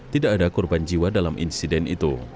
tidak ada korban jiwa dalam insiden itu